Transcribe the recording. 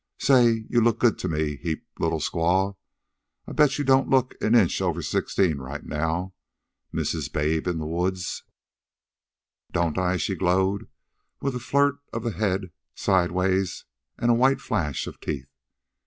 Say you look good to me, heap little squaw. I bet you don't look an inch over sixteen right now, Mrs. Babe in the Woods." "Don't I?" she glowed, with a flirt of the head sideward and a white flash of teeth.